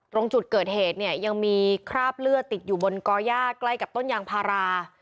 ตรงจุดเกิดเหตุเนี่ยยังมีคราบเลือดติดอยู่บนก่อย่าใกล้กับต้นยางพารา